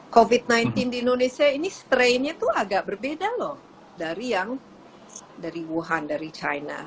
covid sembilan belas di indonesia ini strain nya itu agak berbeda loh dari wuhan dari china